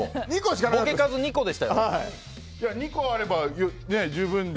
ボケ数２個でしたよ。